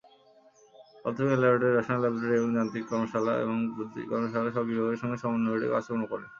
পদার্থবিজ্ঞান ল্যাবরেটরি, রসায়ন ল্যাবরেটরি, এবং যান্ত্রিক কর্মশালা এবং বৈদ্যুতিক কর্মশালা, সব বিভাগের সঙ্গে সমন্বয় ঘটিয়ে কাজকর্ম করে।